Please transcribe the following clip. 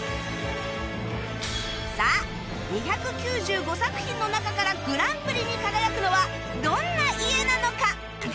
さあ２９５作品の中からグランプリに輝くのはどんな家なのか？